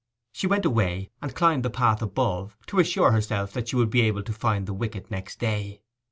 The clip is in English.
She went away, and climbed the path above, to assure herself that she would be able to find the wicket next day.